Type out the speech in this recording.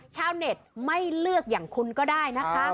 ชาวเน็ตไม่เลือกอย่างคุณก็ได้นะคะ